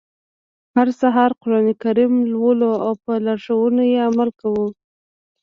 هر سهار قرآن کریم لولو او په لارښوونو يې عمل کوو.